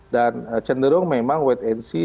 dan cenderung memang wait and see